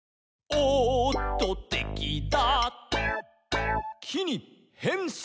「おっとてきだ」